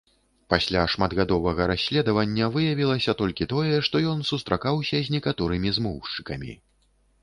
Пасля шматгадовага расследавання выявілася толькі тое, што ён сустракаўся з некаторымі змоўшчыкамі.